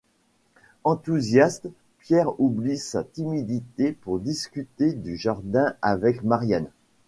Enthousiaste, Pierre oublie sa timidité pour discuter du jardin avec Marianne.